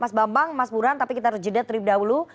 mas bambang mas buran tapi kita harus jeda terlebih dahulu